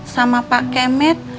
sama pak kemet